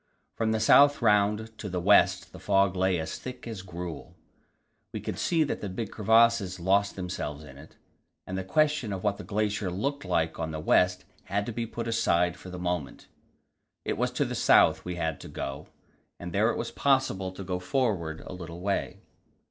From the south round to the west the fog lay as thick as gruel. We could see that the big crevasses lost themselves in it, and the question of what the glacier looked like on the west had to be put aside for the moment. It was to the south we had to go, and there it was possible to go forward a little way.